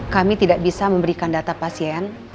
kami tidak bisa memberikan data pasien